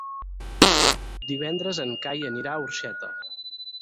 Divendres en Cai anirà a Orxeta.